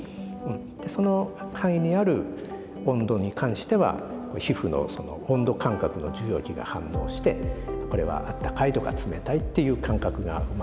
その範囲にある温度に関しては皮膚の温度感覚の受容器が反応してこれはあったかいとか冷たいっていう感覚が生まれるんですね。